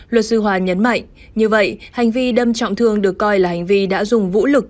luật sư hòa nhấn mạnh như vậy hành vi đâm trọng thương được coi là hành vi đã dùng vũ lực